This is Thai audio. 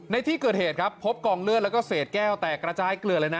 ในที่เกิดเหตุครับพบกองเลือดแล้วก็เศษแก้วแตกกระจายเกลือเลยนะ